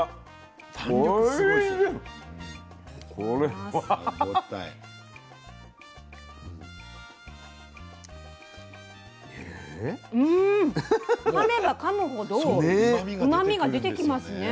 かめばかむほどうまみが出てきますね。